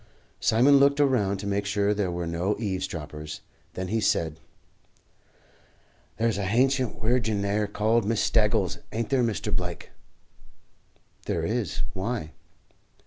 Simon looked around to make sure there were no eavesdroppers; then he said, "There's a hancient wirgin 'ere called Miss Staggles, ain't there, Mr. Blake?" "There is. Why?"